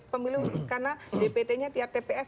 pemilu karena dpt nya tiap tps